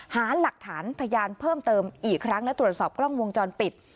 หาหลักฐานพยานเพิ่มเติมอีกครั้งและตรวจสอบกล้องวงจรปิด